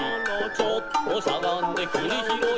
「ちょっとしゃがんでくりひろい」